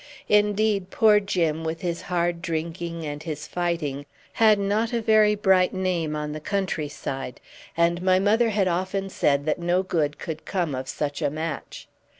Indeed, poor Jim, with his hard drinking and his fighting, had not a very bright name on the country side, and my mother had often said that no good could come of such a match.